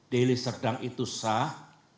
deli serdak itu sah